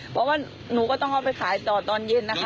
เพราะว่าหนูก็ต้องเอาไปขายต่อตอนเย็นนะคะ